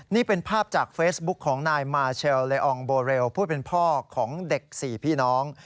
นี่เป็นภาพจากเฟซบุ๊คของนายมาเชลเลองโบเรลผู้เป็นพ่อของเด็ก๔พี่น้อง